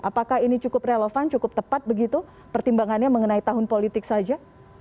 apakah ini cukup relevan cukup tepat begitu pertimbangannya mengenai tahun politik saja